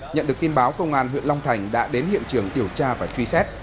nhận được tin báo công an nguyện long thành đã đến hiện trường tiểu tra và truy xét